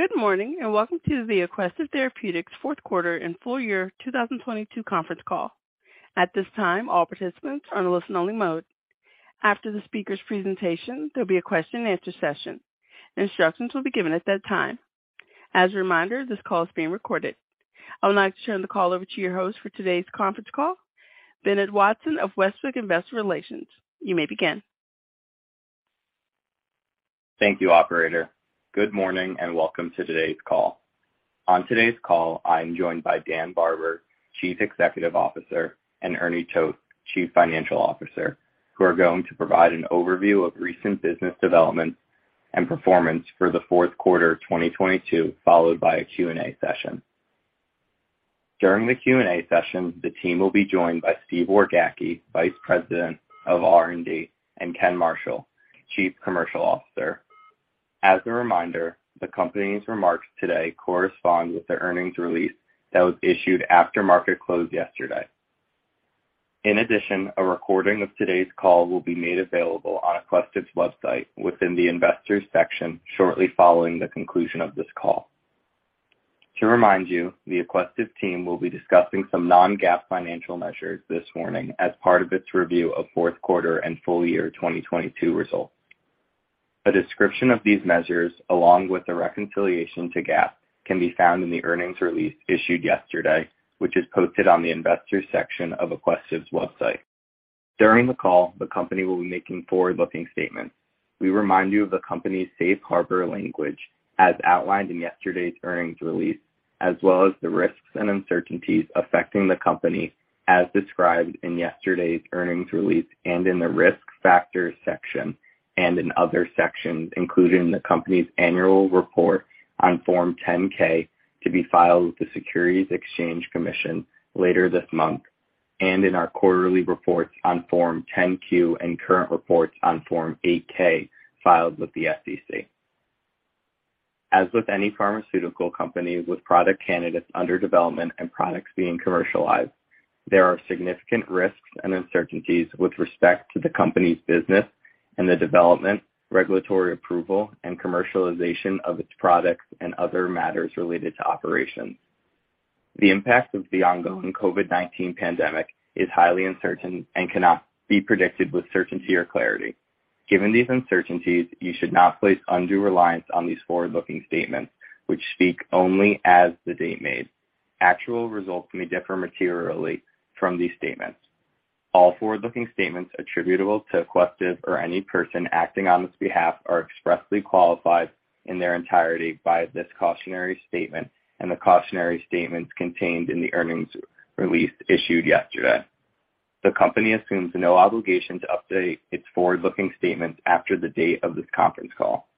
Good morning, and welcome to the Aquestive Therapeutics Q4 and full year 2022 Conference Call. At this time, all participants are in a listen only mode. After the speaker's presentation, there will be a question and answer session. Instructions will be given at that time. As a reminder, this call is being recorded. I would like to turn the call over to your host for today's conference call, Bennett Watson of Westwicke Investor Relations. You may begin. Thank you, operator. Good morning, welcome to today's call. On today's call, I am joined by Dan Barber, Chief Executive Officer, and Ernie Toth, Chief Financial Officer, who are going to provide an overview of recent business developments and performance for the Q4 of 2022, followed by a Q&A session. During the Q&A session, the team will be joined by Steve Wargacki, Vice President of R&D, and Ken Marshall, Chief Commercial Officer. As a reminder, the company's remarks today correspond with the earnings release that was issued after market close yesterday. A recording of today's call will be made available on Aquestive's website within the investors section shortly following the conclusion of this call. To remind you, the Aquestive team will be discussing some non-GAAP financial measures this morning as part of its review of Q4 and full year 2022 results. A description of these measures, along with the reconciliation to GAAP, can be found in the earnings release issued yesterday, which is posted on the investors section of Aquestive's website. During the call, the company will be making forward-looking statements. We remind you of the company's Safe Harbor language as outlined in yesterday's earnings release, as well as the risks and uncertainties affecting the company as described in yesterday's earnings release and in the Risk Factors section and in other sections, including the company's annual report on Form 10-K to be filed with the Securities and Exchange Commission later this month, and in our quarterly reports on Form 10-Q and current reports on Form 8-K filed with the SEC. As with any pharmaceutical company with product candidates under development and products being commercialized, there are significant risks and uncertainties with respect to the company's business and the development, regulatory approval, and commercialization of its products and other matters related to operations. The impact of the ongoing COVID-19 pandemic is highly uncertain and cannot be predicted with certainty or clarity. Given these uncertainties, you should not place undue reliance on these forward-looking statements, which speak only as the date made. Actual results may differ materially from these statements. All forward-looking statements attributable to Aquestive or any person acting on its behalf are expressly qualified in their entirety by this cautionary statement and the cautionary statements contained in the earnings release issued yesterday. The company assumes no obligation to update its forward-looking statements after the date of this conference call,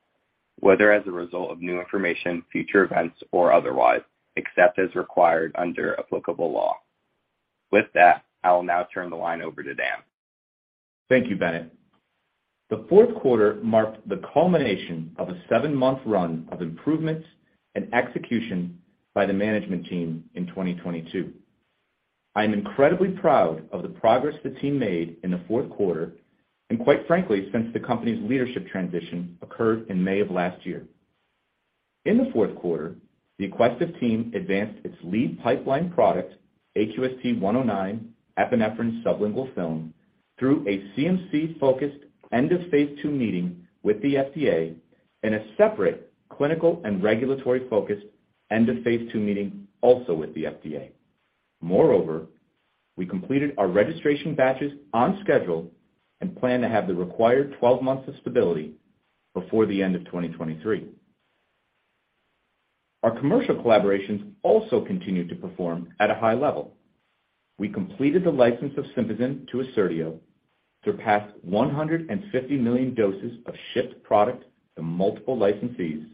whether as a result of new information, future events, or otherwise, except as required under applicable law. With that, I will now turn the line over to Dan. Thank you, Bennett. The Q4 marked the culmination of a seven-month run of improvements and execution by the management team in 2022. I am incredibly proud of the progress the team made in the Q4 and quite frankly since the company's leadership transition occurred in May of last year. In the Q4, the Aquestive team advanced its lead pipeline product, AQST-109 epinephrine sublingual film, through a CMC-focused end of Phase II meeting with the FDA in a separate clinical and regulatory focus end of Phase II meeting also with the FDA. Moreover, we completed our registration batches on schedule and plan to have the required 12 months of stability before the end of 2023. Our commercial collaborations also continued to perform at a high level. We completed the license of Sympazan to Assertio, surpassed 150 million doses of shipped product to multiple licensees,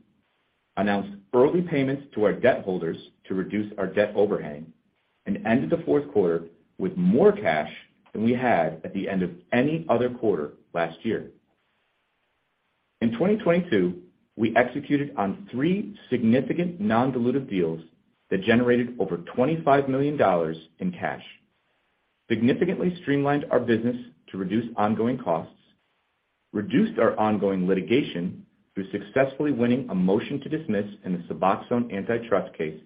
announced early payments to our debt holders to reduce our debt overhang, ended the Q4 with more cash than we had at the end of any other quarter last year. In 2022, we executed on three significant non-dilutive deals that generated over $25 million in cash, significantly streamlined our business to reduce ongoing costs, reduced our ongoing litigation through successfully winning a motion to dismiss in the Suboxone antitrust case,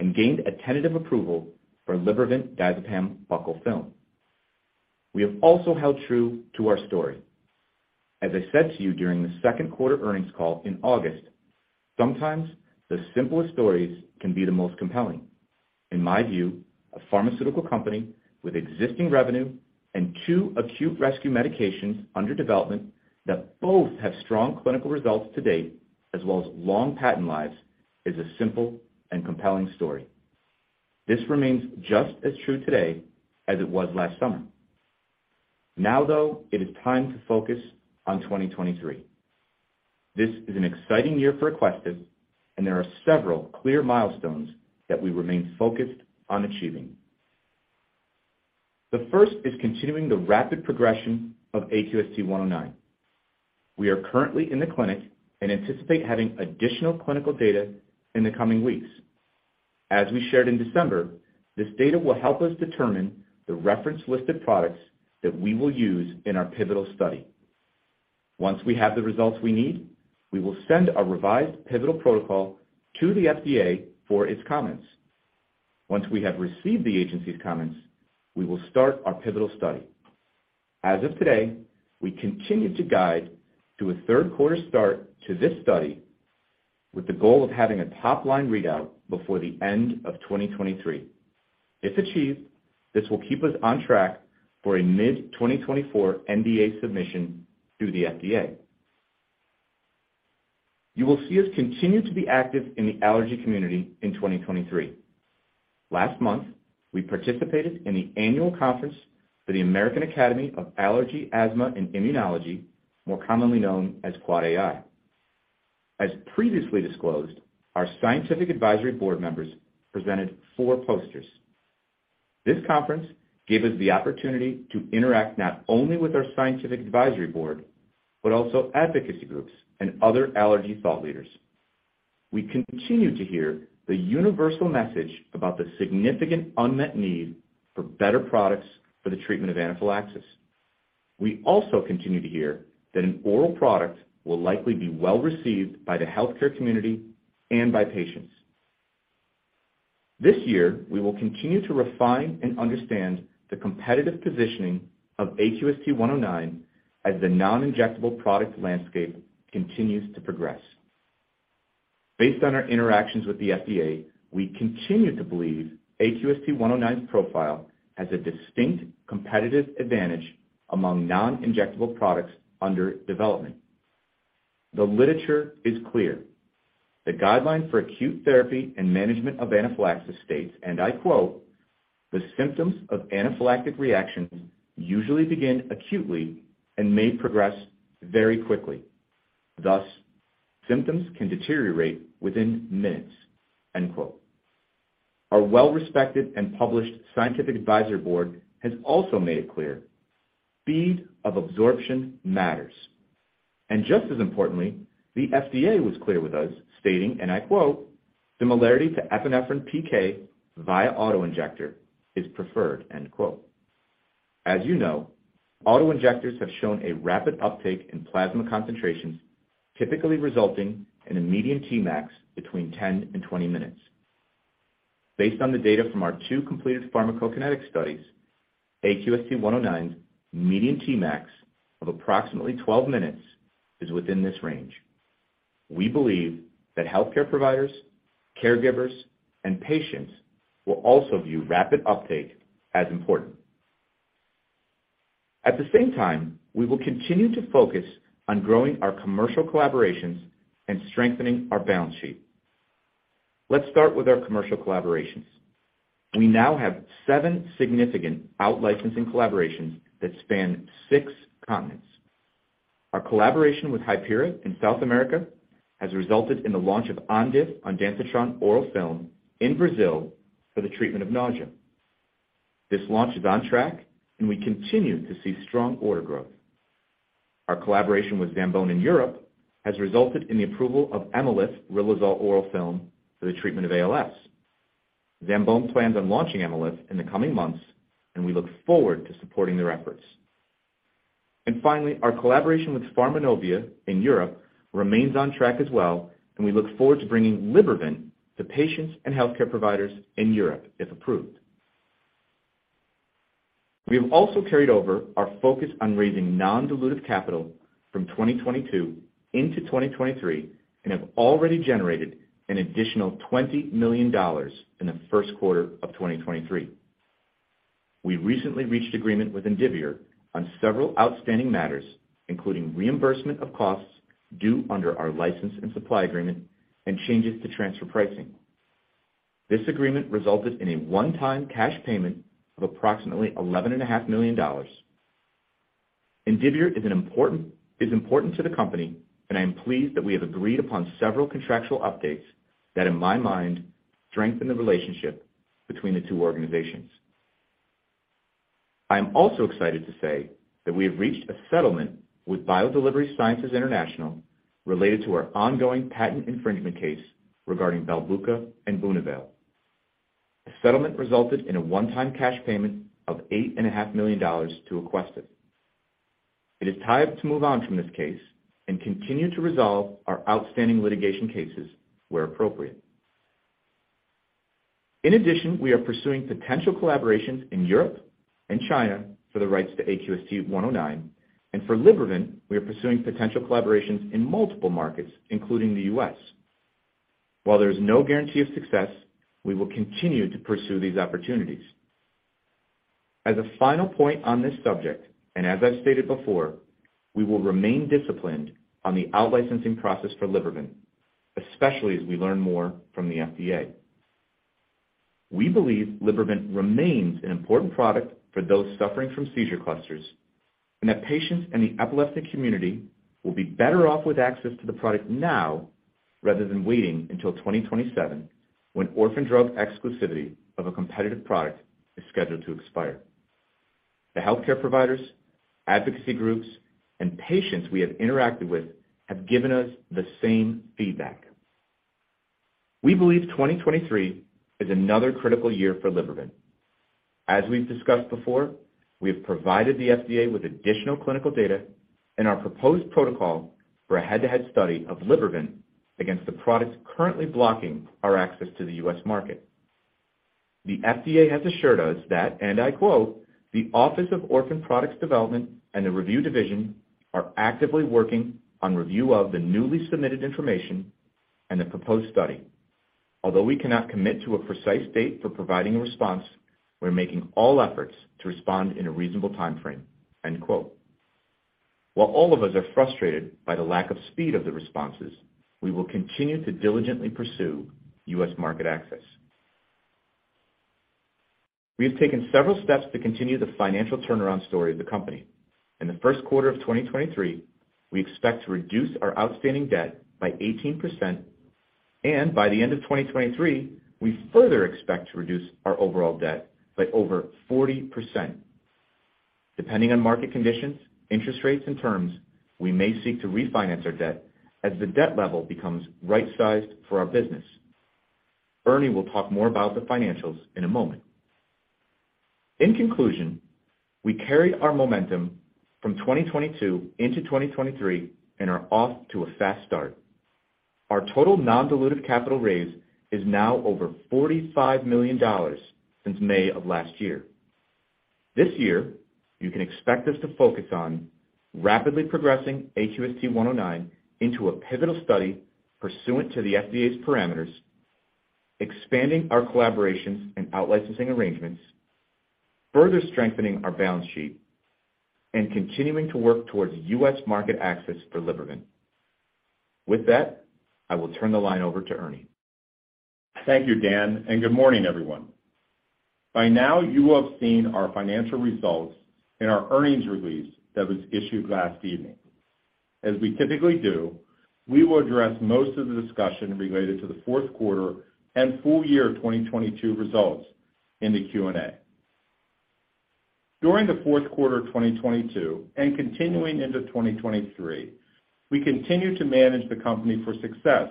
and gained a tentative approval for Libervant diazepam buccal film. We have also held true to our story. As I said to you during the Q2 Earnings Call in August, sometimes the simplest stories can be the most compelling. In my view, a pharmaceutical company with existing revenue and two acute rescue medications under development that both have strong clinical results to date as well as long patent lives is a simple and compelling story. This remains just as true today as it was last summer. Though, it is time to focus on 2023. This is an exciting year for Aquestive, and there are several clear milestones that we remain focused on achieving. The first is continuing the rapid progression of AQST-109. We are currently in the clinic and anticipate having additional clinical data in the coming weeks. As we shared in December, this data will help us determine the reference listed products that we will use in our pivotal study. Once we have the results we need, we will send a revised pivotal protocol to the FDA for its comments. Once we have received the agency's comments, we will start our pivotal study. As of today, we continue to guide to a Q3 start to this study with the goal of having a top-line readout before the end of 2023. If achieved, this will keep us on track for a mid-2024 NDA submission through the FDA. You will see us continue to be active in the allergy community in 2023. Last month, we participated in the annual conference for the American Academy of Allergy, Asthma, and Immunology, more commonly known as AAAAI. As previously disclosed, our scientific advisory board members presented four posters. This conference gave us the opportunity to interact not only with our scientific advisory board, but also advocacy groups and other allergy thought leaders. We continue to hear the universal message about the significant unmet need for better products for the treatment of anaphylaxis. We also continue to hear that an oral product will likely be well received by the healthcare community and by patients. This year, we will continue to refine and understand the competitive positioning of AQST-109 as the non-injectable product landscape continues to progress. Based on our interactions with the FDA, we continue to believe AQST-109's profile has a distinct competitive advantage among non-injectable products under development. The literature is clear. The guideline for acute therapy and management of anaphylaxis states, and I quote, "The symptoms of anaphylactic reactions usually begin acutely and may progress very quickly. Thus, symptoms can deteriorate within minutes." End quote. Our well-respected and published scientific advisory board has also made it clear speed of absorption matters. Just as importantly, the FDA was clear with us stating, and I quote, "Similarity to epinephrine PK via auto-injector is preferred." End quote. As you know, auto-injectors have shown a rapid uptake in plasma concentrations, typically resulting in a median Tmax between 10 and 20 minutes. Based on the data from our two completed pharmacokinetic studies, AQST-109's median Tmax of approximately 12 minutes is within this range. We believe that healthcare providers, caregivers, and patients will also view rapid uptake as important. At the same time, we will continue to focus on growing our commercial collaborations and strengthening our balance sheet. Let's start with our commercial collaborations. We now have seven significant out-licensing collaborations that span six continents. Our collaboration with Hypera in South America has resulted in the launch of Ondif (ondansetron) Oral Film in Brazil for the treatment of nausea. This launch is on track, and we continue to see strong order growth. Our collaboration with Zambon in Europe has resulted in the approval of Emylif riluzole oral film for the treatment of ALS. Zambon plans on launching Emylif in the coming months, and we look forward to supporting their efforts. Finally, our collaboration with Pharmanovia in Europe remains on track as well, and we look forward to bringing Libervant to patients and healthcare providers in Europe if approved. We have also carried over our focus on raising non-dilutive capital from 2022 into 2023 and have already generated an additional $20 million in the Q1 of 2023. We recently reached agreement with Indivior on several outstanding matters, including reimbursement of costs due under our license and supply agreement and changes to transfer pricing. This agreement resulted in a one-time cash payment of approximately eleven and a half million dollars. Indivior is important to the company, and I am pleased that we have agreed upon several contractual updates that, in my mind, strengthen the relationship between the two organizations. I am also excited to say that we have reached a settlement with BioDelivery Sciences International related to our ongoing patent infringement case regarding Belbuca and Bunavail. The settlement resulted in a one-time cash payment of eight and a half million dollars to Aquestive. It is time to move on from this case and continue to resolve our outstanding litigation cases where appropriate. We are pursuing potential collaborations in Europe and China for the rights to AQST-109, and for Libervant, we are pursuing potential collaborations in multiple markets, including the U.S. While there is no guarantee of success, we will continue to pursue these opportunities. As a final point on this subject, as I've stated before, we will remain disciplined on the out-licensing process for Libervant, especially as we learn more from the FDA. We believe Libervant remains an important product for those suffering from seizure clusters and that patients in the epileptic community will be better off with access to the product now rather than waiting until 2027 when Orphan Drug Exclusivity of a competitive product is scheduled to expire. The healthcare providers, advocacy groups, and patients we have interacted with have given us the same feedback. We believe 2023 is another critical year for Libervant. As we've discussed before, we have provided the FDA with additional clinical data and our proposed protocol for a head-to-head study of Libervant against the products currently blocking our access to the U.S. market. The FDA has assured us that, and I quote, "The Office of Orphan Products Development and the Review Division are actively working on review of the newly submitted information and the proposed study. Although we cannot commit to a precise date for providing a response, we're making all efforts to respond in a reasonable timeframe." End quote. While all of us are frustrated by the lack of speed of the responses, we will continue to diligently pursue U.S. market access. We have taken several steps to continue the financial turnaround story of the company. In the Q1 of 2023, we expect to reduce our outstanding debt by 18%, and by the end of 2023, we further expect to reduce our overall debt by over 40%. Depending on market conditions, interest rates, and terms, we may seek to refinance our debt as the debt level becomes right-sized for our business. Ernie will talk more about the financials in a moment. In conclusion, we carry our momentum from 2022 into 2023 and are off to a fast start. Our total non-dilutive capital raise is now over $45 million since May of last year. This year, you can expect us to focus on rapidly progressing AQST-109 into a pivotal study pursuant to the FDA's parameters, expanding our collaborations and out-licensing arrangements, further strengthening our balance sheet, and continuing to work towards U.S. market access for Libervant. With that, I will turn the line over to Ernie. Thank you, Dan, and good morning, everyone. By now, you will have seen our financial results in our earnings release that was issued last evening. As we typically do, we will address most of the discussion related to the Q4 and full year of 2022 results in the Q&A. During the Q4 of 2022 and continuing into 2023, we continued to manage the company for success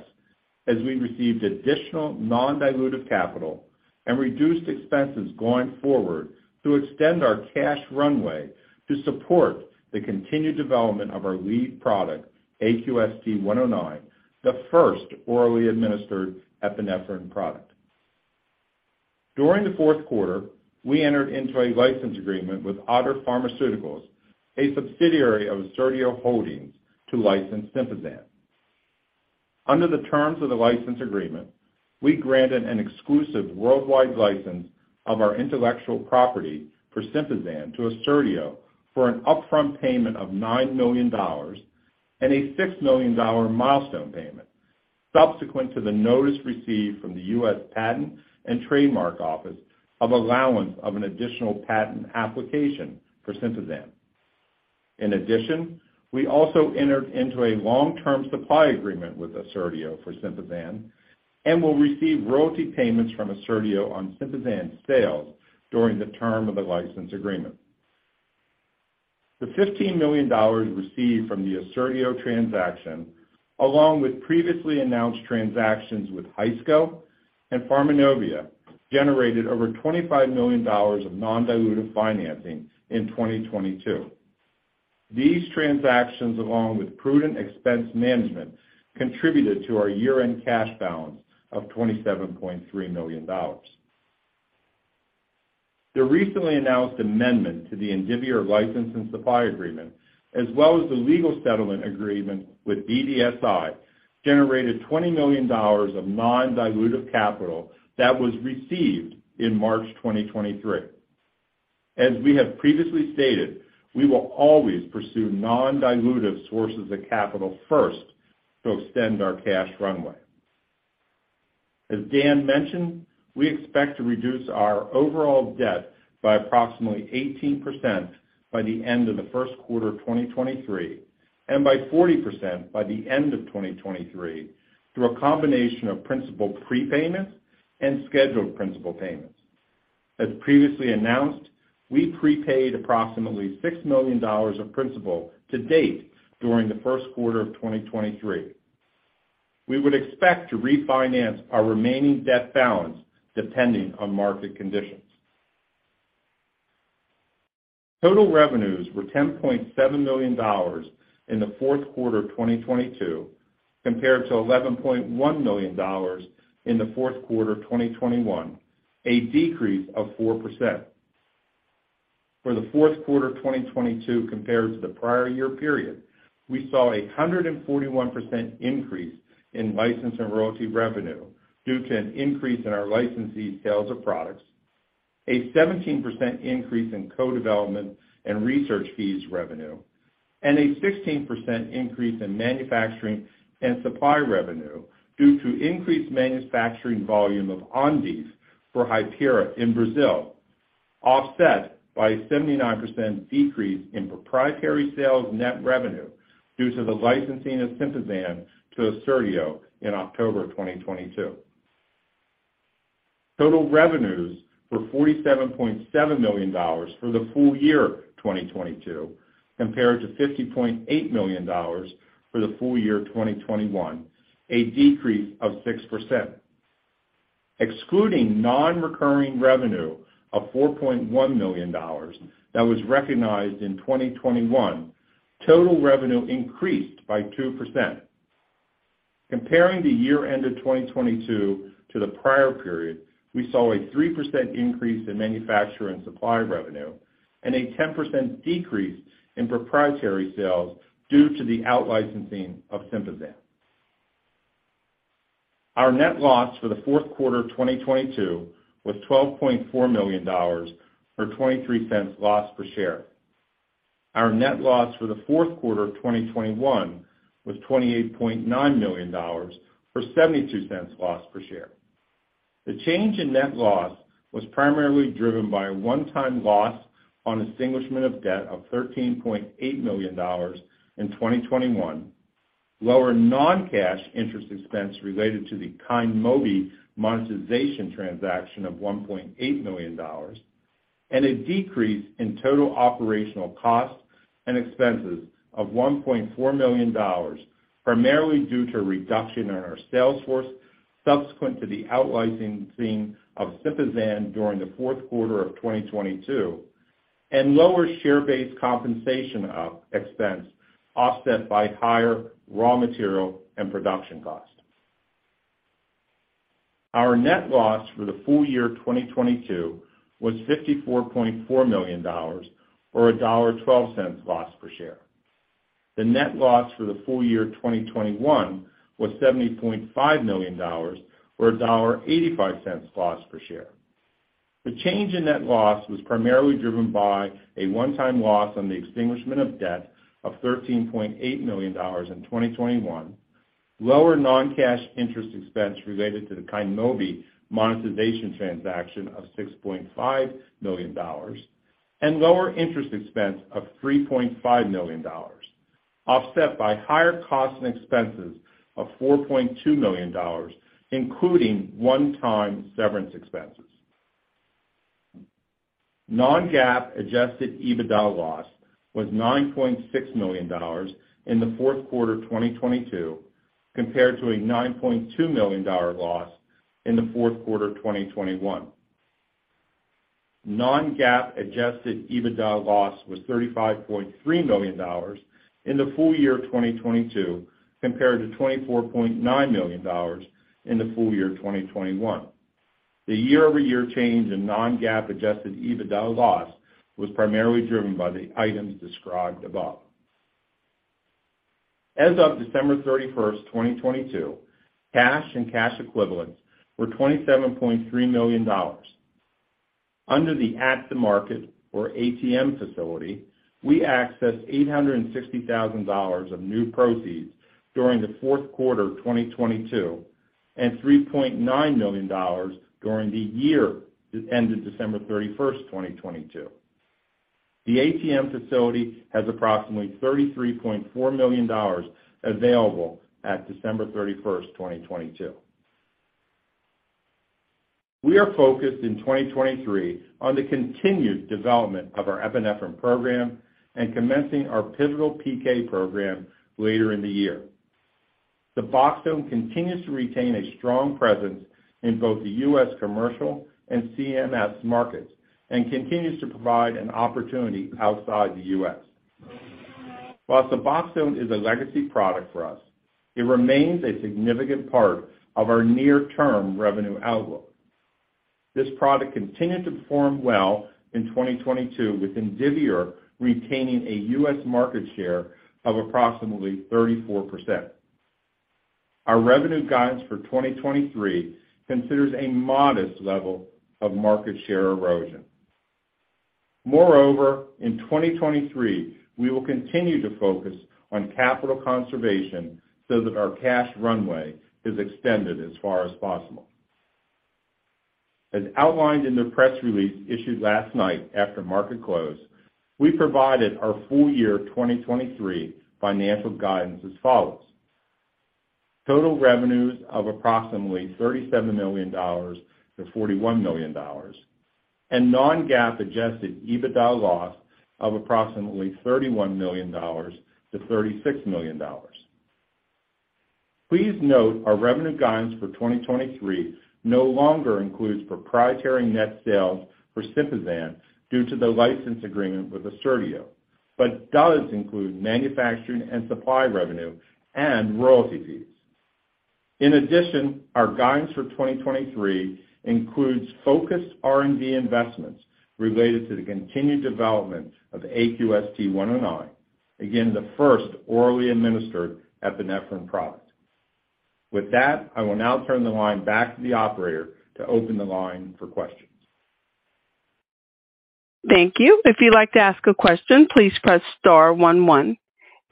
as we received additional non-dilutive capital and reduced expenses going forward to extend our cash runway to support the continued development of our lead product, AQST-109, the first orally administered epinephrine product. During the Q4, we entered into a license agreement with Otter Pharmaceuticals, a subsidiary of Assertio Holdings, to license Sympazan. Under the terms of the license agreement, we granted an exclusive worldwide license of our intellectual property for Sympazan to Assertio for an upfront payment of $9 million and a $6 million milestone payment subsequent to the notice received from the U.S. Patent and Trademark Office of allowance of an additional patent application for Sympazan. We also entered into a long-term supply agreement with Assertio for Sympazan and will receive royalty payments from Assertio on Sympazan sales during the term of the license agreement. The $15 million received from the Assertio transaction, along with previously announced transactions with Haisco and Pharmanovia, generated over $25 million of non-dilutive financing in 2022. These transactions, along with prudent expense management, contributed to our year-end cash balance of $27.3 million. The recently announced amendment to the Indivior license and supply agreement, as well as the legal settlement agreement with BDSI, generated $20 million of non-dilutive capital that was received in March 2023. As we have previously stated, we will always pursue non-dilutive sources of capital first to extend our cash runway. As Dan mentioned, we expect to reduce our overall debt by approximately 18% by the end of the Q1 of 2023, and by 40% by the end of 2023 through a combination of principal prepayments and scheduled principal payments. As previously announced, we prepaid approximately $6 million of principal to date during the Q1 of 2023. We would expect to refinance our remaining debt balance depending on market conditions. Total revenues were $10.7 million in the Q4 of 2022 compared to $11.1 million in the Q4 of 2021, a decrease of 4%.For the Q4 of 2022 compared to the prior year period, we saw a 141% increase in license and royalty revenue due to an increase in our licensees sales of products, a 17% increase in co-development and research fees revenue, and a 16% increase in manufacturing and supply revenue due to increased manufacturing volume of Ondif for Hypera in Brazil, offset by a 79% decrease in proprietary sales net revenue due to the licensing of Sympazan to Assertio in October of 2022. Total revenues were $47.7 million for the full year 2022 compared to $50.8 million for the full year 2021, a decrease of 6%. Excluding non-recurring revenue of $4.1 million that was recognized in 2021, total revenue increased by 2%. Comparing the year-end of 2022 to the prior period, we saw a 3% increase in manufacturer and supply revenue and a 10% decrease in proprietary sales due to the out-licensing of Sympazan. Our net loss for the Q4 of 2022 was $12.4 million or $0.23 loss per share. Our net loss for the Q4 of 2021 was $28.9 million or $0.72 loss per share. The change in net loss was primarily driven by a one-time loss on extinguishment of debt of $13.8 million in 2021, lower non-cash interest expense related to the KYNMOBI monetization transaction of $1.8 million, a decrease in total operational costs and expenses of $1.4 million, primarily due to a reduction in our sales force subsequent to the out licensing of Sympazan during the Q4 of 2022, and lower share-based compensation of expense offset by higher raw material and production costs. Our net loss for the full year 2022 was $54.4 million or a $1.12 loss per share. The net loss for the full year 2021 was $70.5 million or a $1.85 loss per share. The change in net loss was primarily driven by a one-time loss on the extinguishment of debt of $13.8 million in 2021, lower non-cash interest expense related to the KYNMOBI monetization transaction of $6.5 million and lower interest expense of $3.5 million, offset by higher costs and expenses of $4.2 million, including one-time severance expenses. Non-GAAP adjusted EBITDA loss was $9.6 million in the Q4 of 2022 compared to a $9.2 million dollar loss in the Q4 of 2021. Non-GAAP adjusted EBITDA loss was $35.3 million in the full year of 2022 compared to $24.9 million in the full year of 2021. The year-over-year change in Non-GAAP adjusted EBITDA loss was primarily driven by the items described above. As of 31 December 2022, cash and cash equivalents were $27.3 million. Under the at-the-market or ATM facility, we accessed $860,000 of new proceeds during the Q4 of 2022, and $3.9 million during the year that ended 31 December 2022. The ATM facility has approximately $33.4 million available at 31 December 2022. We are focused in 2023 on the continued development of our epinephrine program and commencing our pivotal PK program later in the year. Suboxone continues to retain a strong presence in both the U.S. commercial and CMS markets and continues to provide an opportunity outside the U.S. While Suboxone is a legacy product for us, it remains a significant part of our near-term revenue outlook. This product continued to perform well in 2022, with Indivior retaining a U.S. market share of approximately 34%. Our revenue guidance for 2023 considers a modest level of market share erosion. Moreover, in 2023, we will continue to focus on capital conservation so that our cash runway is extended as far as possible. As outlined in the press release issued last night after market close, we provided our full year 2023 financial guidance as follows: Total revenues of approximately $37 million to $41 million and non-GAAP adjusted EBITDA loss of approximately $31 million to $36 million. Please note our revenue guidance for 2023 no longer includes proprietary net sales for Sympazan due to the license agreement with Assertio, but does include manufacturing and supply revenue and royalty fees. Our guidance for 2023 includes focused R&D investments related to the continued development of AQST-109, again, the first orally administered epinephrine product. I will now turn the line back to the operator to open the line for questions. Thank you. If you'd like to ask a question, please press star one one.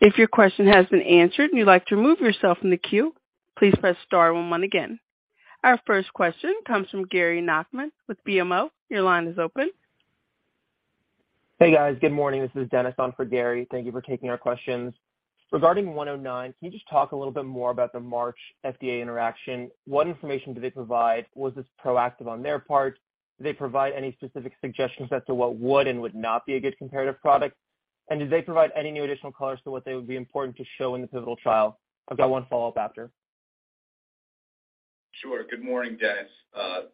If your question has been answered and you'd like to remove yourself from the queue, please press star one one again. Our first question comes from Gary Nachman with BMO. Your line is open. Hey guys, good morning. This is Dennis on for Gary. Thank you for taking our questions. Regarding AQST-109, can you just talk a little bit more about the March FDA interaction? What information did they provide? Was this proactive on their part? Did they provide any specific suggestions as to what would and would not be a good comparative product? Did they provide any new additional colors to what they would be important to show in the pivotal trial? I've got one follow-up after. Sure. Good morning, Dennis.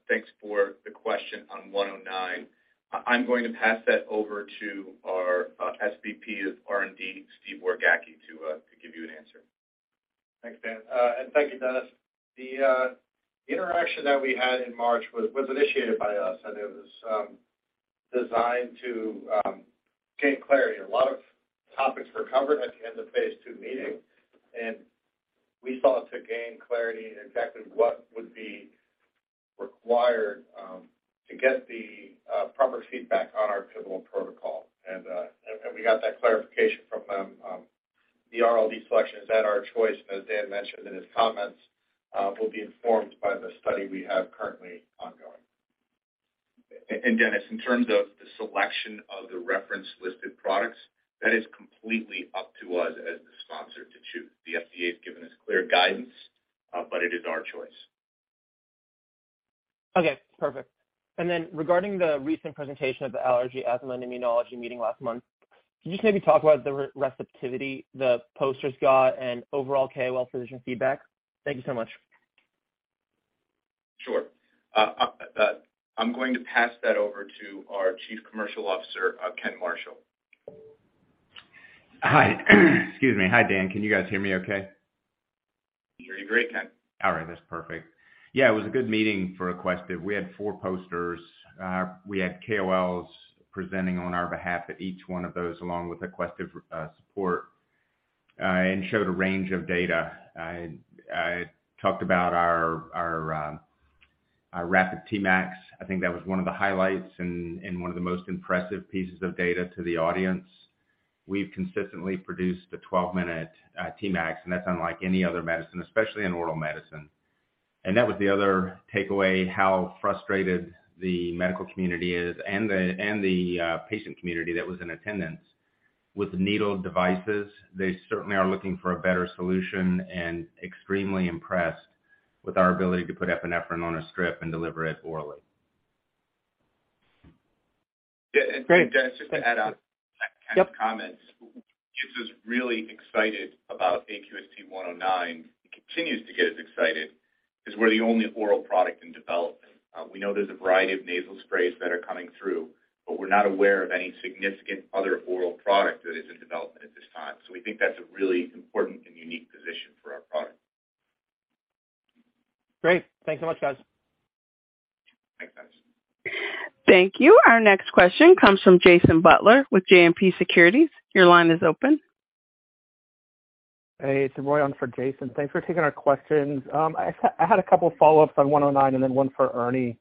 Thanks for the question on 109. I'm going to pass that over to our SVP of R&D, Steve Wargacki, to give you an answer. Thanks, Dan. Thank you, Dennis. The interaction that we had in March was initiated by us, and it was designed to gain clarity. A lot of topics were covered at the end of Phase II meeting, and we sought to gain clarity in exactly what would be required to get the proper feedback on our pivotal protocol. We got that clarification from them. The RLD selection is at our choice, and as Dan mentioned in his comments, will be informed by the study we have currently ongoing. Dennis, in terms of the selection of the reference listed products, that is completely up to us as the sponsor to choose. The FDA has given us clear guidance, it is our choice. Okay, perfect. Regarding the recent presentation of the Allergy, Asthma, and Immunology meeting last month, can you just maybe talk about the receptivity the posters got and overall KOL physician feedback? Thank you so much. Sure. I'm going to pass that over to our Chief Commercial Officer, Ken Marshall. Hi. Excuse me. Hi, Dan. Can you guys hear me okay? Hear you great, Ken. All right. That's perfect. Yeah, it was a good meeting for Aquestive. We had four posters. We had KOLs presenting on our behalf at each one of those, along with Aquestive support, and showed a range of data. I talked about our rapid Tmax. I think that was one of the highlights and one of the most impressive pieces of data to the audience. We've consistently produced a 12-minute Tmax, and that's unlike any other medicine, especially in oral medicine. That was the other takeaway, how frustrated the medical community is and the patient community that was in attendance. With needle devices, they certainly are looking for a better solution and extremely impressed with our ability to put epinephrine on a strip and deliver it orally. Yeah. Dan, just to add on. Yep. to Ken's comments. What gets us really excited about AQST-109 and continues to get us excited is we're the only oral product in development. We know there's a variety of nasal sprays that are coming through, but we're not aware of any significant other oral product that is in development at this time. We think that's a really important and unique position for our product. Great. Thanks so much, guys. Thanks, guys. Thank you. Our next question comes from Jason Butler with JMP Securities. Your line is open. Hey, it's Roy on for Jason. Thanks for taking our questions. I had a couple of follow-ups on 109 and then one for Ernie.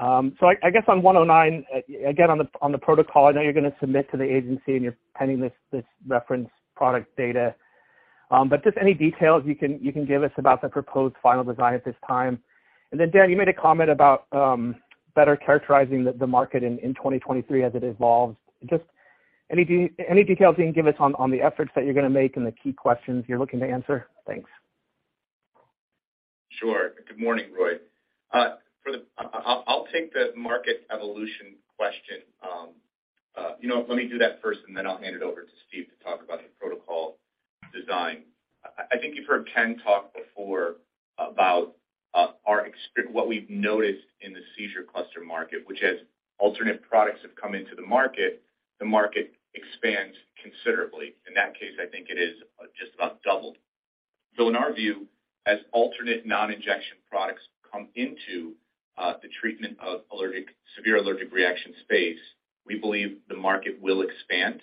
So I guess on 109, again, on the protocol, I know you're gonna submit to the agency and you're pending this reference product data. But just any details you can give us about the proposed final design at this time. Dan, you made a comment about, better characterizing the market in 2023 as it evolves. Just any details you can give us on the efforts that you're gonna make and the key questions you're looking to answer? Thanks. Sure. Good morning, Roy. I'll take the market evolution question. You know what? Let me do that first, and then I'll hand it over to Steve to talk about the protocol design. I think you've heard Ken talk before about what we've noticed in the seizure cluster market, which as alternate products have come into the market, the market expands considerably. In that case, I think it is just about doubled. In our view, as alternate non-injection products come into the treatment of allergic, severe allergic reaction space, we believe the market will expand.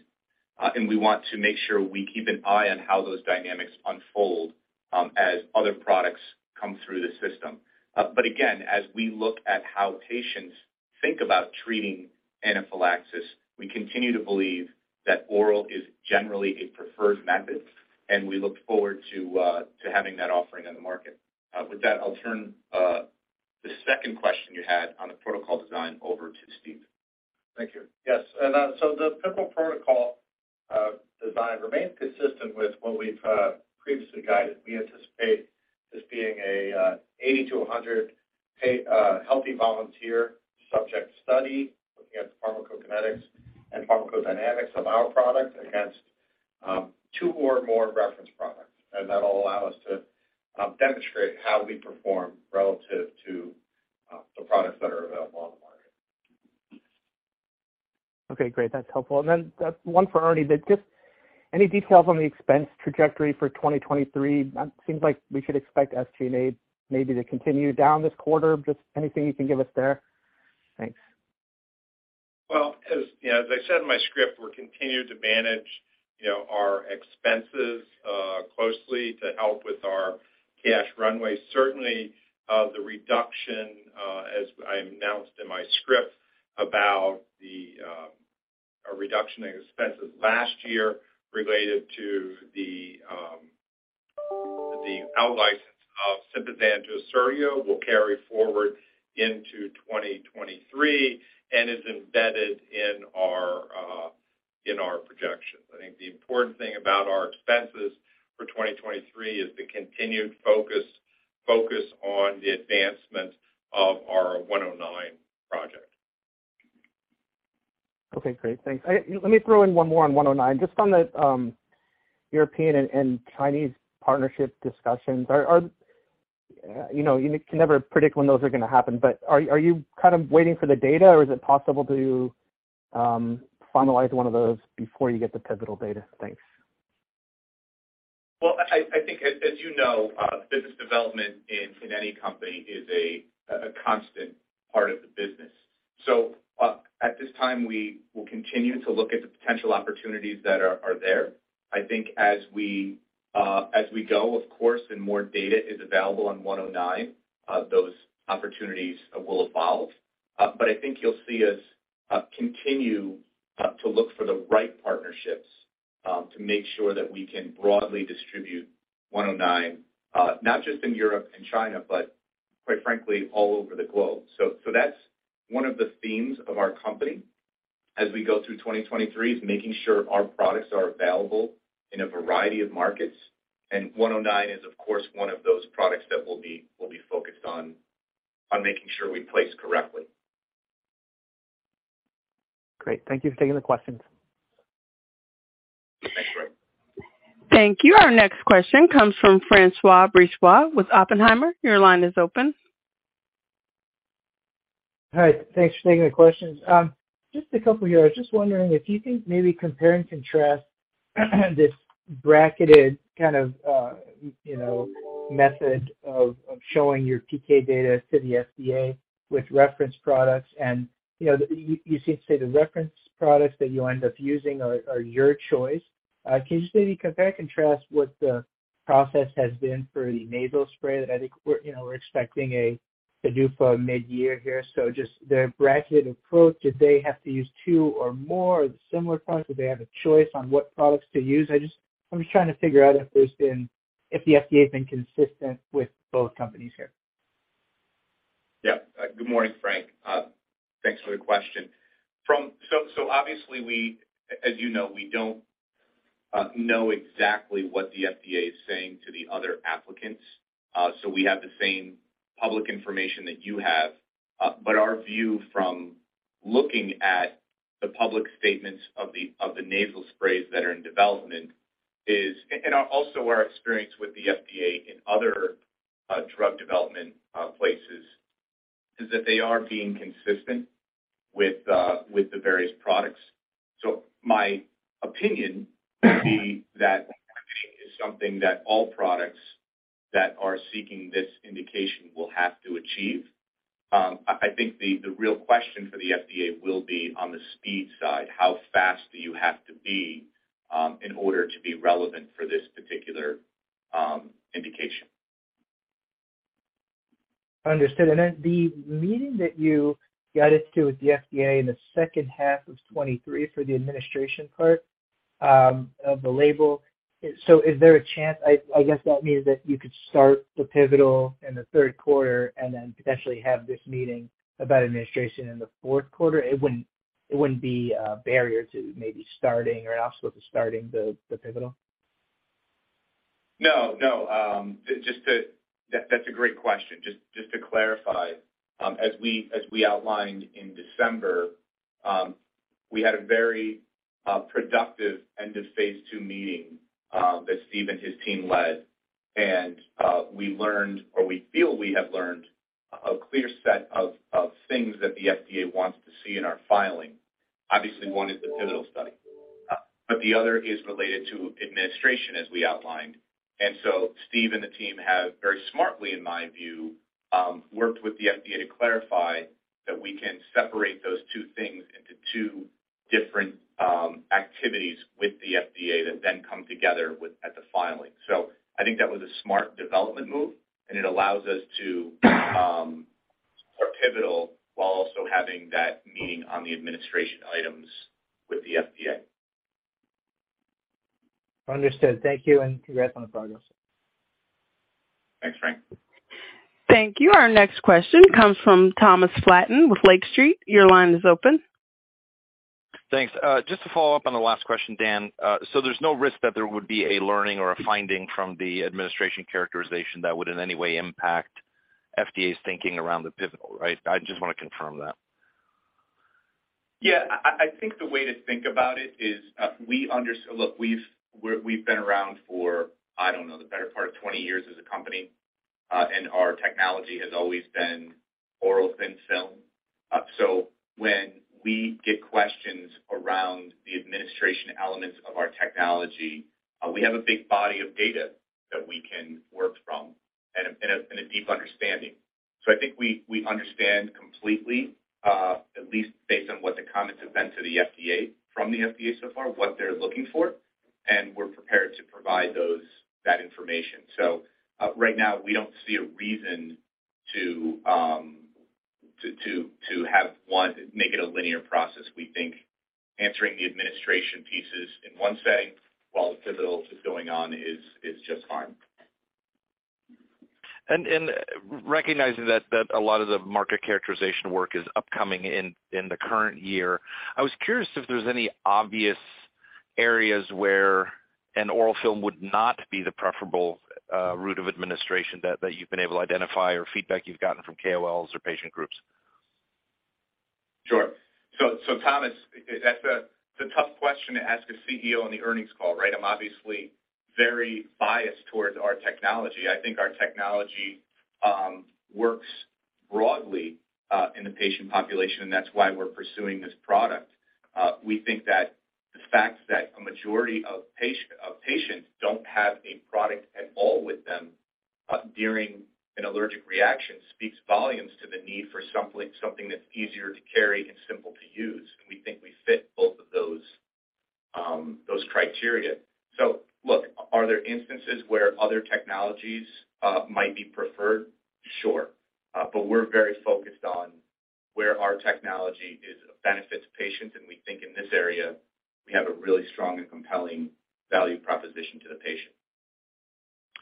We want to make sure we keep an eye on how those dynamics unfold as other products come through the system. Again, as we look at how patients think about treating anaphylaxis, we continue to believe that oral is generally a preferred method, and we look forward to having that offering in the market. With that, I'll turn the second question you had on the protocol design over to Steve. Thank you. Yes. So the pivotal protocol design remains consistent with what we've previously guided. We anticipate this being a 80 to 100 healthy volunteer subject study, looking at the pharmacokinetics and pharmacodynamics of our product against two or more reference products. That'll allow us to demonstrate how we perform relative to the products that are available on the market. Okay, great. That's helpful. Then, one for Ernie. Just any details on the expense trajectory for 2023. That seems like we should expect SG&A maybe to continue down this quarter. Just anything you can give us there? Thanks. As, you know, as I said in my script, we're continuing to manage, you know, our expenses closely to help with our cash runway. Certainly, the reduction, as I announced in my script about the out license of Sympazan will carry forward into 2023 and is embedded in our in our projections. I think the important thing about our expenses for 2023 is the continued focus on the advancement of our 109 project. Okay, great. Thanks. Let me throw in one more on AQST-109. Just on the European and Chinese partnership discussions. You know, you can never predict when those are going to happen, but are you kind of waiting for the data, or is it possible to finalize one of those before you get the pivotal data? Thanks. Well, I think as you know, business development in any company is a constant part of the business. At this time, we will continue to look at the potential opportunities that are there. I think as we go, of course, and more data is available on 109, those opportunities will evolve. I think you'll see us continue to look for the right partnerships to make sure that we can broadly distribute 109, not just in Europe and China, but quite frankly, all over the globe. That's one of the themes of our company as we go through 2023 is making sure our products are available in a variety of markets. 109 is of course, one of those products that we'll be focused on making sure we place correctly. Great. Thank you for taking the questions. Thanks, Roy. Thank you. Our next question comes from François Brisebois with Oppenheimer. Your line is open. Hi. Thanks for taking the questions. Just a couple here. I was just wondering if you think maybe compare and contrast this bracketed kind of, you know, method of showing your PK data to the FDA with reference products. You know, you seem to say the reference products that you end up using are your choice. Can you just maybe compare and contrast what the process has been for the nasal spray that I think we're, you know, we're expecting a to-do for mid-year here. Just the bracketed approach, did they have to use two or more similar products? Did they have a choice on what products to use? I'm just trying to figure out if the FDA has been consistent with both companies here. Good morning, Frank. Thanks for the question. Obviously we, as you know, we don't know exactly what the FDA is saying to the other applicants. But our view from looking at the public statements of the, of the nasal sprays that are in development is, and also our experience with the FDA in other drug development places, is that they are being consistent with the various products. My opinion would be that is something that all products that are seeking this indication will have to achieve. I think the real question for the FDA will be on the speed side, how fast do you have to be in order to be relevant for this particular indication. Understood. Then the meeting that you guided to with the FDA in the second half of 2023 for the administration part of the label. Is there a chance, I guess that means that you could start the pivotal in the Q3 and then potentially have this meeting about administration in the Q4? It wouldn't be a barrier to maybe starting or an obstacle to starting the pivotal. No, no. That's a great question. Just to clarify. As we outlined in December, we had a very productive end of Phase II meeting that Steve and his team led. We learned, or we feel we have learned a clear set of things that the FDA wants to see in our filing. Obviously, one is the pivotal study, but the other is related to administration, as we outlined. Steve and the team have very smartly, in my view, worked with the FDA to clarify that we can separate those two things into two different activities with the FDA that then come together with at the filing. I think that was a smart development move, and it allows us to start pivotal while also having that meeting on the administration items with the FDA. Understood. Thank you, and congrats on the progress. Thanks, Frank. Thank you. Our next question comes from Thomas Flaten with Lake Street. Your line is open. Thanks. Just to follow up on the last question, Dan. There's no risk that there would be a learning or a finding from the administration characterization that would in any way impact FDA's thinking around the pivotal, right? I just want to confirm that. Yeah. I think the way to think about it is, Look, we've been around for, I don't know, the better part of 20 years as a company, and our technology has always been oral thin film. When we get questions around the administration elements of our technology, we have a big body of data that we can work from and a deep understanding. I think we understand completely, at least based on what the comments have been from the FDA so far, what they're looking for, and we're prepared to provide that information. Right now, we don't see a reason to have one make it a linear process, we think answering the administration pieces in one setting while the EpiPen is going on is just fine. Recognizing that a lot of the market characterization work is upcoming in the current year. I was curious if there's any obvious areas where an oral film would not be the preferable route of administration that you've been able to identify or feedback you've gotten from KOLs or patient groups? Thomas, that's a tough question to ask a CEO on the earnings call, right? I'm obviously very biased towards our technology. I think our technology works broadly in the patient population, and that's why we're pursuing this product. We think that the fact that a majority of patients don't have a product at all with them during an allergic reaction speaks volumes to the need for something that's easier to carry and simple to use. We think we fit both of those criteria. Look, are there instances where other technologies might be preferred? Sure. But we're very focused on where our technology is a benefit to patients. We think in this area, we have a really strong and compelling value proposition to the patient.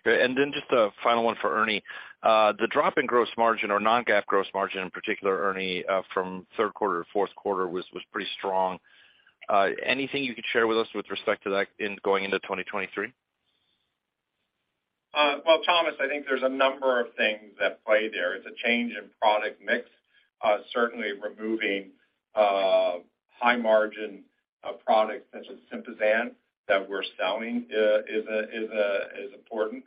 Okay. Then just a final one for Ernie. The drop in gross margin or non-GAAP gross margin in particular, Ernie, from Q3 to Q4 was pretty strong. Anything you could share with us with respect to that in going into 2023? Well, Thomas, I think there's a number of things at play there. It's a change in product mix. Certainly removing high margin products such as Sympazan that we're selling is important.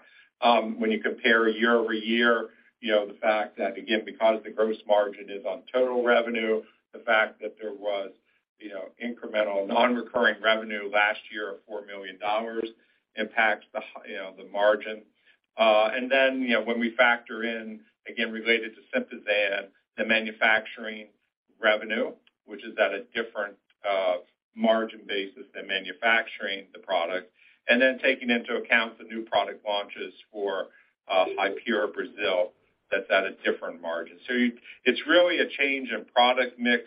When you compare year-over-year, you know, the fact that, again, because the gross margin is on total revenue, the fact that there was, you know, incremental non-recurring revenue last year of $4 million impacts the, you know, the margin. You know, when we factor in, again, related to Sympazan, the manufacturing revenue, which is at a different margin basis than manufacturing the product. Taking into account the new product launches for Hypera or Brazil, that's at a different margin. It's really a change in product mix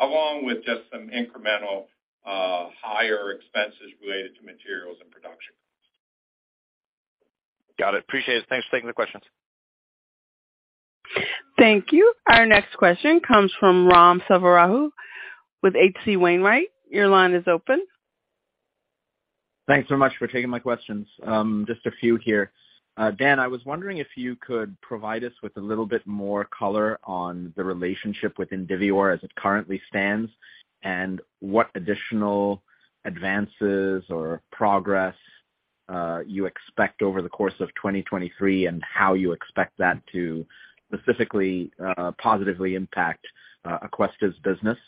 along with just some incremental, higher expenses related to materials and production. Got it. Appreciate it. Thanks for taking the questions. Thank you. Our next question comes from Ram Selvaraju with H.C. Wainwright & Co. Your line is open. Thanks so much for taking my questions. Just a few here. Dan, I was wondering if you could provide us with a little bit more color on the relationship with Indivior as it currently stands, and what additional advances or progress you expect over the course of 2023, and how you expect that to specifically positively impact Aquestive's business.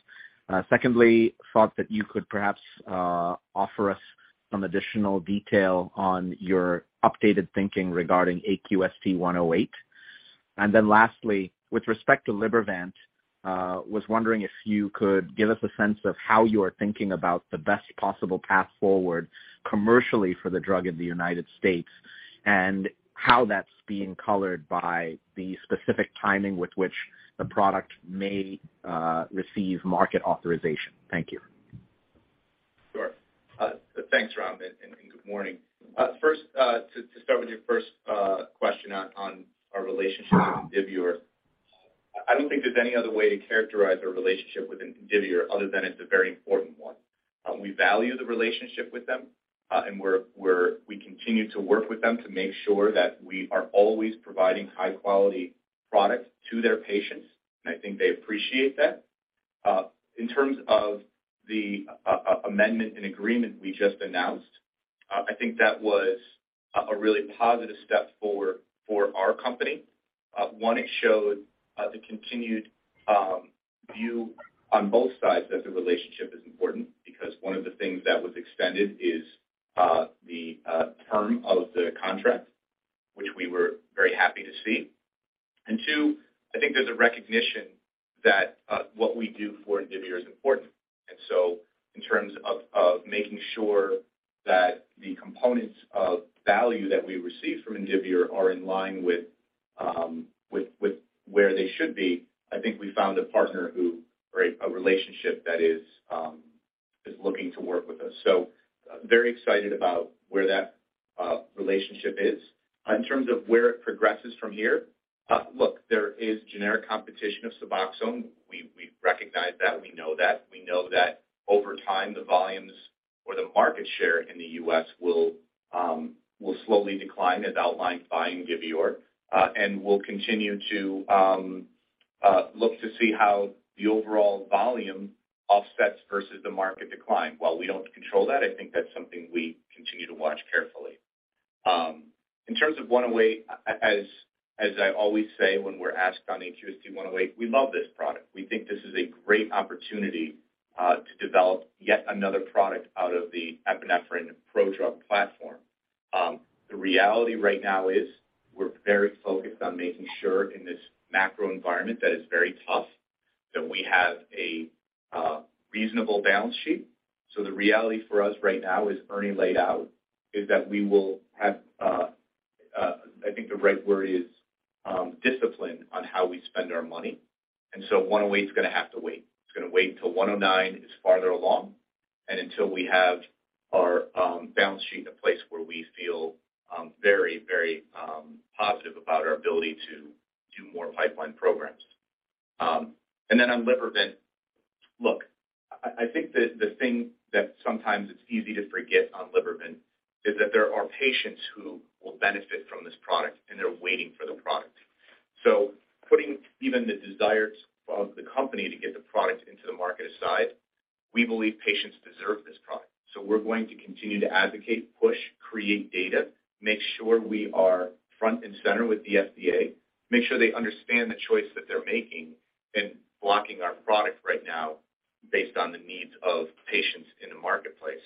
Secondly, thought that you could perhaps offer us some additional detail on your updated thinking regarding AQST-108. Lastly, with respect to Libervant, was wondering if you could give us a sense of how you are thinking about the best possible path forward commercially for the drug in the U.S. and how that's being colored by the specific timing with which the product may receive market authorization. Thank you. Sure. Thanks, Ram, and good morning. First, to start with your first question on our relationship with Indivior. I don't think there's any other way to characterize our relationship with Indivior other than it's a very important one. We value the relationship with them, and we continue to work with them to make sure that we are always providing high quality product to their patients, and I think they appreciate that. In terms of the amendment and agreement we just announced, I think that was a really positive step for our company. One, it showed the continued view on both sides that the relationship is important because one of the things that was extended is the term of the contract, which we were very happy to see. Two, I think there's a recognition that what we do for Indivior is important. In terms of making sure that the components of value that we receive from Indivior are in line with where they should be, I think we found a partner who or a relationship that is looking to work with us. Very excited about where that relationship is. In terms of where it progresses from here. Look, there is generic competition of Suboxone. We recognize that. We know that. We know that over time, the volumes or the market share in the U.S. will slowly decline as outlined by Indivior, and we'll continue to look to see how the overall volume offsets versus the market decline. While we don't control that, I think that's something we continue to watch carefully. In terms of AQST-108, as I always say when we're asked on AQST-108, we love this product. We think this is a great opportunity to develop yet another product out of the epinephrine prodrug platform. The reality right now is we're very focused on making sure in this macro environment that is very tough, that we have a reasonable balance sheet. The reality for us right now, as Ernie laid out, is that we will have, I think the right word is, discipline on how we spend our money. AQST-109 is going to have to wait. It's going to wait until AQST-109 is farther along and until we have our balance sheet in a place where we feel very, very positive about our ability to do more pipeline programs. Then on Libervant, look, I think that the thing that sometimes it's easy to forget on Libervant is that there are patients who will benefit from this product and they're waiting for the product. Putting even the desires of the company to get the product into the market aside, we believe patients deserve this product. We're going to continue to advocate, push, create data, make sure we are front and center with the FDA, make sure they understand the choice that they're making in blocking our product right now based on the needs of patients in the marketplace.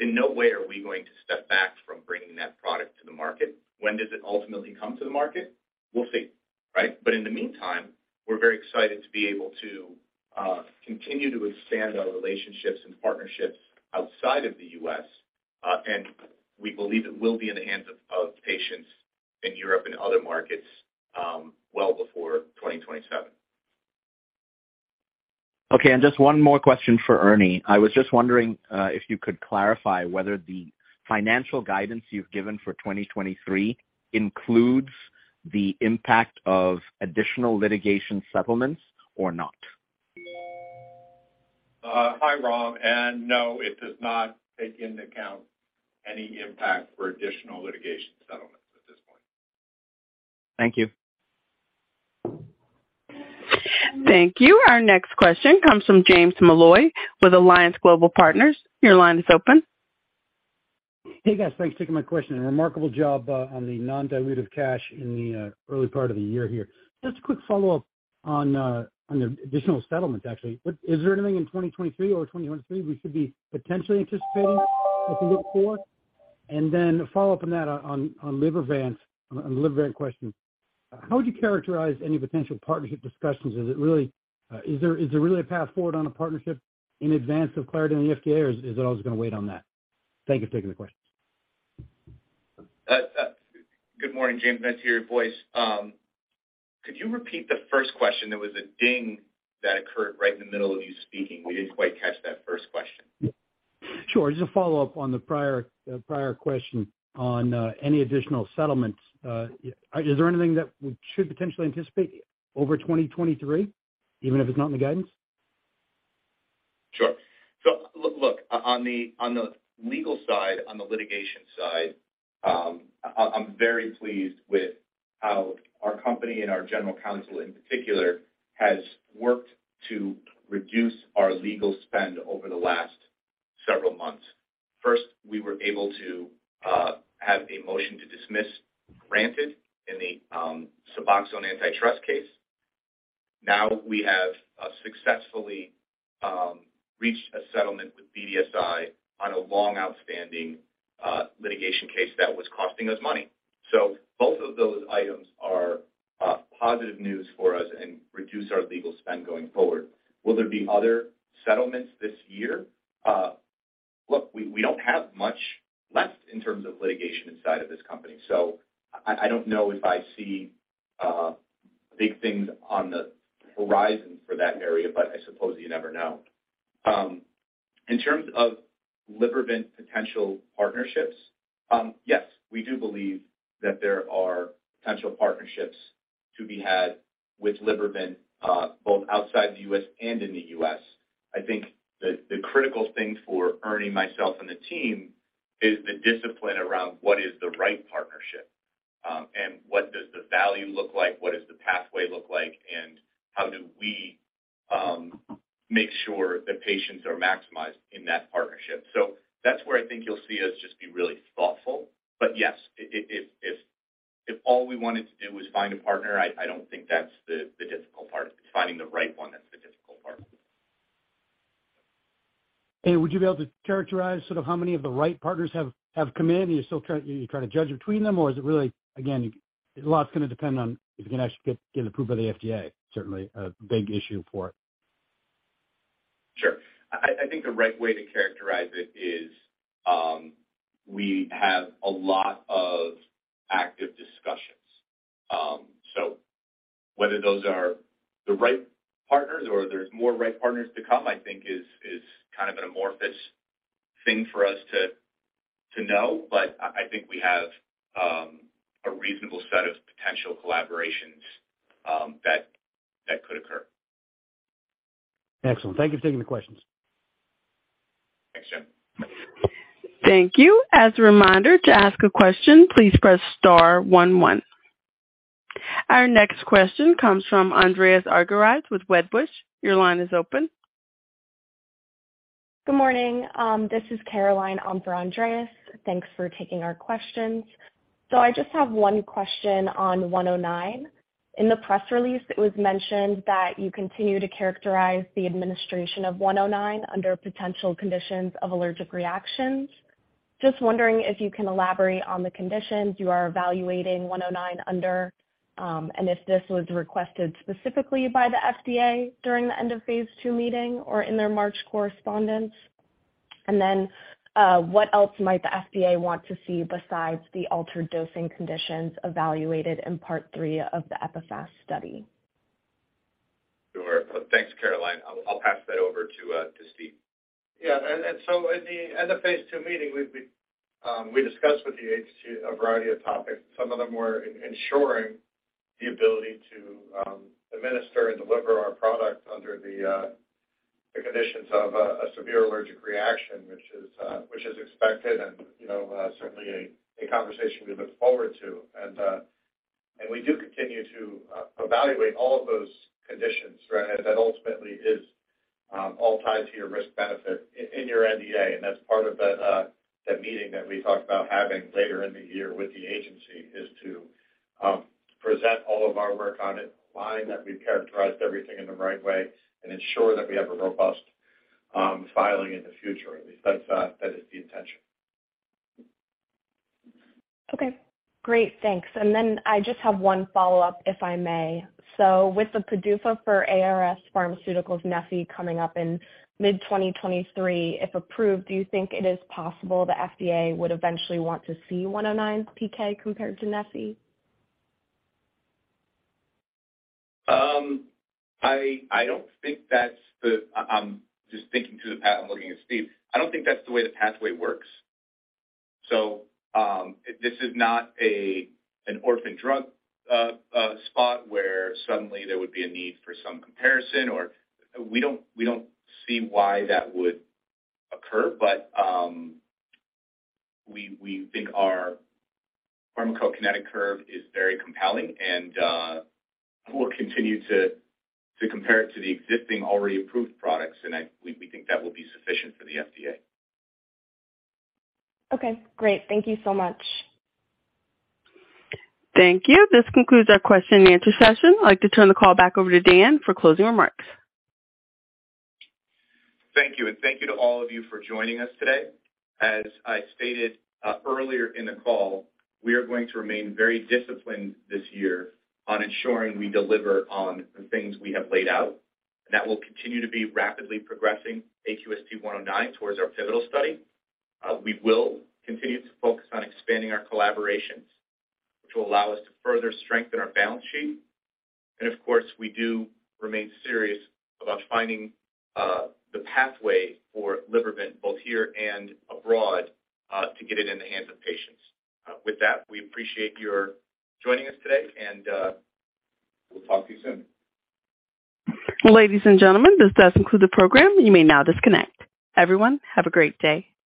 In no way are we going to step back from bringing that product to the market. When does it ultimately come to the market? We'll see, right? In the meantime, we're very excited to be able to continue to expand our relationships and partnerships outside of the U.S., and we believe it will be in the hands of patients in Europe and other markets, well before 2027. Okay. Just one more question for Ernie. I was just wondering if you could clarify whether the financial guidance you've given for 2023 includes the impact of additional litigation settlements or not? Hi, Ram. No, it does not take into account any impact for additional litigation settlements at this point. Thank you. Thank you. Our next question comes from James Molloy with Alliance Global Partners. Your line is open. Hey, guys. Thanks for taking my question. Remarkable job on the non-dilutive cash in the early part of the year here. Just a quick follow-up on on the additional settlement, actually. Is there anything in 2023 or 2023 we should be potentially anticipating or can look for? A follow-up on that on Libervant, on Libervant question. How would you characterize any potential partnership discussions? Is it really, is there really a path forward on a partnership in advance of clarity in the FDA or is it always going to wait on that? Thank you for taking the questions. Good morning, James. Nice to hear your voice. Could you repeat the first question? There was a ding that occurred right in the middle of you speaking. We didn't quite catch that first question. Sure. Just a follow-up on the prior question on any additional settlements. Is there anything that we should potentially anticipate over 2023, even if it's not in the guidance? Sure. Look, on the legal side, on the litigation side, I'm very pleased with how our company and our general counsel in particular has worked to reduce our legal spend over the last several months. First, we were able to have a motion to dismiss granted in the Suboxone antitrust case. Now we have successfully reached a settlement with BDSI on a long-outstanding litigation case that was costing us money. Both of those items are positive news for us and reduce our legal spend going forward. Will there be other settlements this year? Look, we don't have much left in terms of litigation inside of this company. I don't know if I see big things on the horizon for that area, but I suppose you never know. In terms of Libervant potential partnerships, yes, we do believe that there are potential partnerships to be had with Libervant, both outside the U.S. and in the U.S.. I think the critical thing for Ernie, myself and the team is the discipline around what is the right partnership, and what does the value look like, what does the pathway look like, and how do we make sure that patients are maximized in that partnership. That's where I think you'll see us just be really thoughtful. Yes, if all we wanted to do was find a partner, I don't think that's the difficult part. It's finding the right one that's the difficult part. Would you be able to characterize sort of how many of the right partners have come in? Are you still you trying to judge between them or is it really, again, a lot's going to depend on if you can actually get approval of the FDA, certainly a big issue for it. Sure. I think the right way to characterize it is, we have a lot of active discussions. Whether those are the right partners or there's more right partners to come, I think is kind of an amorphous thing for us to know. I think we have a reasonable set of potential collaborations that could occur. Excellent. Thank you for taking the questions. Thanks, Jim. Thank you. As a reminder to ask a question, please press star 1. Our next question comes from Andreas Argyrides with Wedbush. Your line is open. Good morning. This is Caroline on for Andreas. Thanks for taking our questions. I just have one question on AQST-109. In the press release, it was mentioned that you continue to characterize the administration of AQST-109 under potential conditions of allergic reactions. Just wondering if you can elaborate on the conditions you are evaluating AQST-109 under, and if this was requested specifically by the FDA during the end of Phase II meeting or in their March correspondence. Then, what else might the FDA want to see besides the altered dosing conditions evaluated in part three of the EPIPHAST study? Sure. Thanks, Caroline. I'll pass that over to Steve. Yeah. in the end of phase II meeting, we discussed with the agency a variety of topics. Some of them were ensuring the ability to administer and deliver our product under the conditions of a severe allergic reaction, which is expected and, you know, certainly a conversation we look forward to. we do continue to evaluate all of those conditions, right? That ultimately is all tied to your risk-benefit in your NDA. that's part of that meeting that we talked about having later in the year with the agency, is to present all of our work on it, find that we've characterized everything in the right way and ensure that we have a robust filing in the future. At least that's, that is the intention. Okay. Great. Thanks. I just have one follow-up, if I may. With the PDUFA for ARS Pharmaceuticals' Neffy coming up in mid-2023, if approved, do you think it is possible the FDA would eventually want to see 109 PK compared to Neffy? I don't think that's the I'm just thinking through the path. I'm looking at Steve. I don't think that's the way the pathway works. This is not a, an orphan drug spot where suddenly there would be a need for some comparison or we don't, we don't see why that would occur. We think our pharmacokinetic curve is very compelling, and we'll continue to compare it to the existing already approved products, and we think that will be sufficient for the FDA. Okay, great. Thank you so much. Thank you. This concludes our question and answer session. I'd like to turn the call back over to Dan for closing remarks. Thank you. Thank you to all of you for joining us today. As I stated earlier in the call, we are going to remain very disciplined this year on ensuring we deliver on the things we have laid out. That will continue to be rapidly progressing AQST-109 towards our pivotal study. We will continue to focus on expanding our collaborations, which will allow us to further strengthen our balance sheet. Of course, we do remain serious about finding the pathway for Libervant, both here and abroad, to get it in the hands of patients. With that, we appreciate your joining us today, and we'll talk to you soon. Ladies and gentlemen, this does conclude the program. You may now disconnect. Everyone, have a great day.